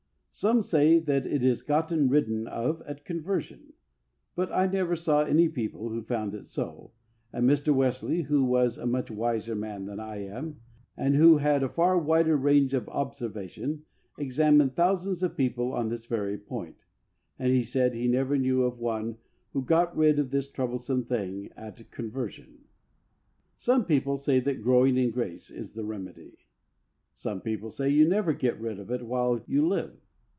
Some say that it is gotten ridden of at conversion, but I never saw any people who found it so, and Mr. Wesley, who was a much wiser man than I am, atid who had a far wider range of observation, examined thousands of people on this very point, and he said he never knew of one who got rid of this troublesome thing at conversion. Some people say that growing in grace is the remedy. Some people say you never get rid of it while you live.